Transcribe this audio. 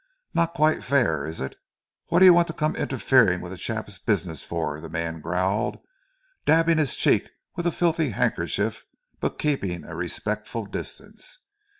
Not quite fair, is it?" "Wot d'yer want to come interferin' with a chap's business for?" the man growled, dabbing his cheek with a filthy handkerchief but keeping at a respectful distance.